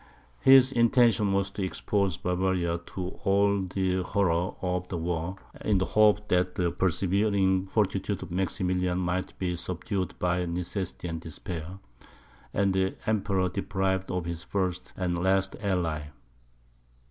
His intention was to expose Bavaria to all the horrors of war, in the hope that the persevering fortitude of Maximilian might be subdued by necessity and despair, and the Emperor deprived of his first and last ally.